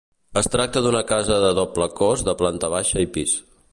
Es tracta d'una casa de doble cós de planta baixa i pis.